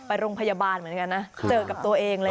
ไปโรงพยาบาลเหมือนกันนะเจอกับตัวเองเลย